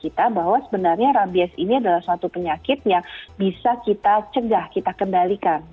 kita bahwa sebenarnya rabies ini adalah suatu penyakit yang bisa kita cegah kita kendalikan